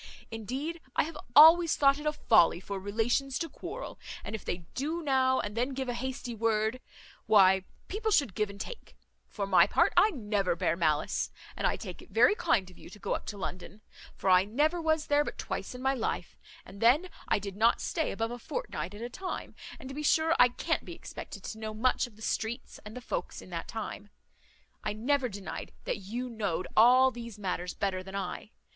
Indeed I have always thought it a folly for relations to quarrel; and if they do now and then give a hasty word, why, people should give and take; for my part, I never bear malice; and I take it very kind of you to go up to London; for I never was there but twice in my life, and then I did not stay above a fortnight at a time, and to be sure I can't be expected to know much of the streets and the folks in that time. I never denied that you know'd all these matters better than I.